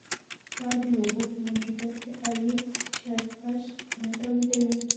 ټار د اوبو په موجودیت کې قوي چسپش نه تولیدوي